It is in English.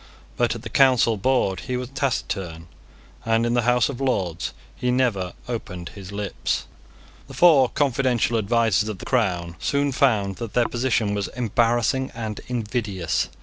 But at the Council board he was taciturn; and in the House of Lords he never opened his lips. The four confidential advisers of the crown soon found that their position was embarrassing and invidious.